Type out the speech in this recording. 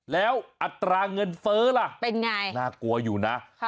แล้วอัตราเงินเฟ้อล่ะน่ากลัวอยู่นะเป็นไง